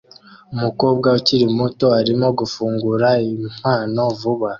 Umukobwa ukiri muto arimo gufungura impano vuba